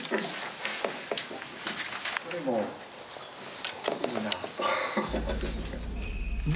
どれもいいなと。